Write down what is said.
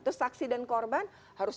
itu saksi dan korban harus